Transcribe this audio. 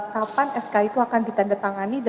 kapan sk itu akan ditandatangani